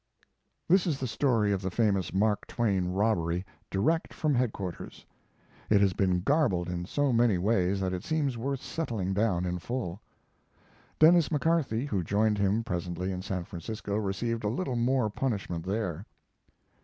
This is the story of the famous Mark Twain robbery direct from headquarters. It has been garbled in so many ways that it seems worth setting down in full. Denis McCarthy, who joined him presently in San Francisco, received a little more punishment there.